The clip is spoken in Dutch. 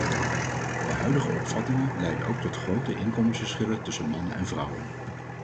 De huidige opvattingen leiden ook tot grote inkomensverschillen tussen mannen en vrouwen.